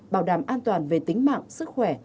bảo đảm an toàn về tính mạng sức khỏe